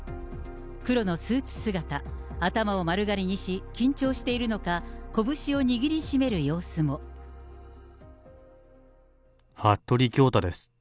黒のスーツ姿、頭を丸刈りにし、緊張しているのか、服部恭太です。